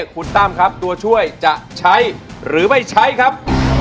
คุณตั้มครับตัวช่วยจะใช้หรือไม่ใช้ครับ